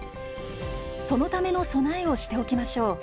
そのための備えをしておきましょう。